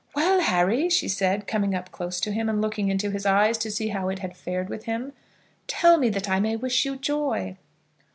"Well, Harry," she said, coming up close to him, and looking into his eyes to see how it had fared with him, "tell me that I may wish you joy."